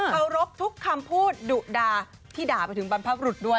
เคารพทุกคำพูดดุดาที่ด่าไปถึงบรรพบรุษด้วย